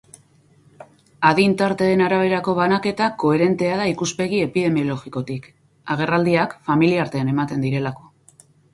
Adin tarteen araberako banaketa koherentea da ikuspegi epidemiologikotik, agerraldiak familiartean ematen direlako.